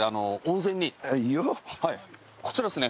こちらですね。